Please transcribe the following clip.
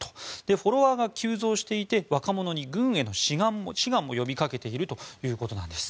フォロワーが急増していて若者へ軍への志願も呼び掛けているということです。